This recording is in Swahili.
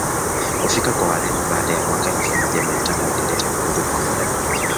kufika kwa Wareno baada ya mwaka elfu moja mia tano ilileta vurugu kwa muda